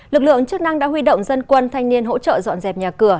lực lượng chức năng đã huy động dân quân thanh niên hỗ trợ dọn dẹp nhà cửa